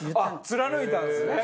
貫いたんですね。